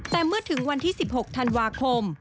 แต่เมื่อถึงวันที่๑๖ธันวาคม